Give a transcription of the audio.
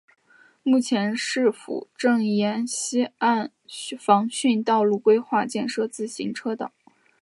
目前市府正沿溪岸防汛道路规划建设自行车道。